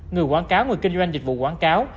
người quảng cáo người kinh doanh dịch vụ quảng cáo